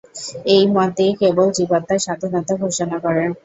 এই মতই কেবল জীবাত্মার স্বাধীনতা ঘোষণা করে।